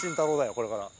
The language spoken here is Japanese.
これから。